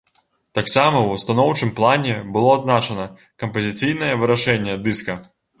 Таксама ў станоўчым плане было адзначана кампазіцыйнае вырашэнне дыска.